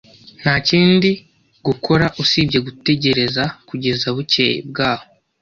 Nta kindi gukora usibye gutegereza kugeza bukeye bwaho.